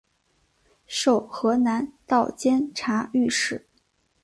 授河南道监察御史。